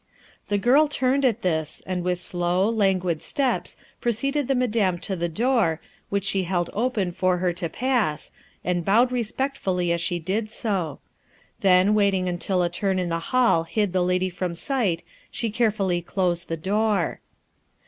The girl turned at this, and with slow, languid steps preceded the Madame to the door, which she held open for her to pass, and bowed re spectfully as she did so. Then, waiting until a turn in the hall hid the lady from sight she care fully closed the door.